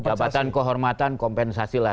jabatan kehormatan kompensasi lah